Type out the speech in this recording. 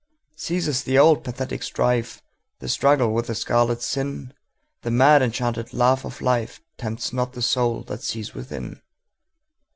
Ceases the old pathetic strife, The struggle with the scarlet sin:The mad enchanted laugh of lifeTempts not the soul that sees within.